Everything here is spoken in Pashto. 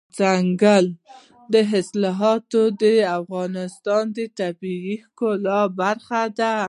دځنګل حاصلات د افغانستان د طبیعت د ښکلا برخه ده.